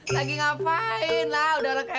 lagi ngapain lah udah kayak orang gelo